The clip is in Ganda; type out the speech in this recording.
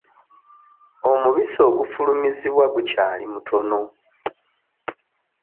Omubisi ogufulumizibwa gukyali mutono.